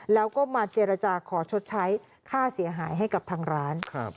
แล้วก็มาเจรจาขอชดใช้ค่าเสียหายให้กับทางร้าน